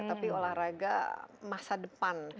tapi olahraga masa depan